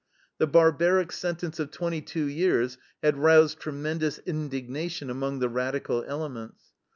The barbaric sentence of twenty two years had roused tremendous indignation among the radical elements.